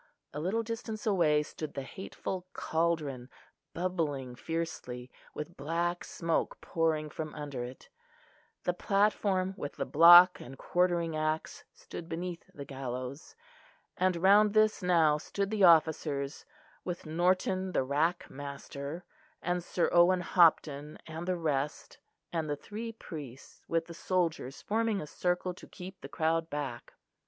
A little distance away stood the hateful cauldron, bubbling fiercely, with black smoke pouring from under it: the platform with the block and quartering axe stood beneath the gallows; and round this now stood the officers, with Norton the rack master, and Sir Owen Hopton and the rest, and the three priests, with the soldiers forming a circle to keep the crowd back.